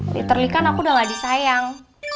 literally kan aku udah gak disayang